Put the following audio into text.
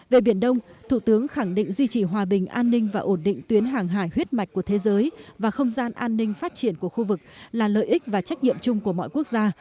về biển đông thủ tướng khẳng định duy trì hòa bình an ninh và ổn định tuyến hàng hải huyết mạch của thế giới và không gian an ninh phát triển của khu vực là lợi ích và trách nhiệm chung của mọi quốc gia